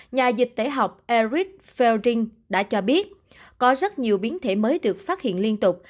nhà dịch tế học eric felding đã cho biết có rất nhiều biến thể mới được phát hiện liên tục